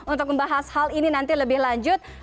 untuk membahas hal ini nanti lebih lanjut